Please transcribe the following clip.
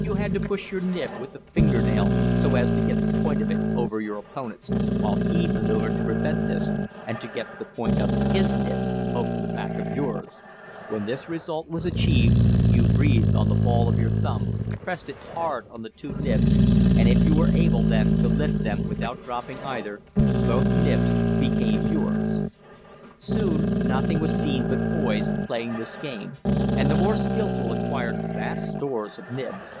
You had to push your nib with the finger nail so as to get the point of it over your opponent's, while he manoeuvred to prevent this and to get the point of his nib over the back of yours; when this result was achieved you breathed on the ball of your thumb, pressed it hard on the two nibs, and if you were able then to lift them without dropping either, both nibs became yours. Soon nothing was seen but boys playing this game, and the more skilful acquired vast stores of nibs.